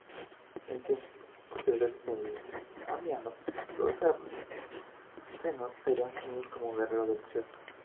En tiempos posteriores a Amiano, los sarracenos serían conocidos como guerreros del desierto.